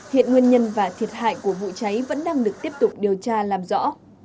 hiện nguyên nhân và thiệt hại của vụ cháy vẫn đang được tiếp tục điều tra làm rõ